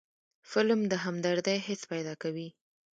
فلم د همدردۍ حس پیدا کوي